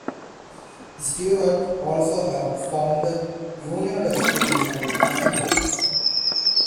Stewart also helped found the Union Rescue Mission in Los Angeles.